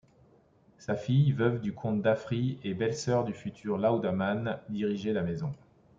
Sa fille, veuve du comte d'Affry et belle-sœur du futur landamann, dirigeait la maison.